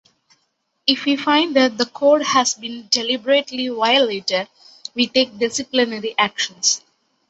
If we find that the Code has been deliberately violated, we take disciplinary action.